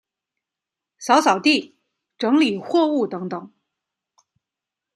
扫扫地、整理货物等等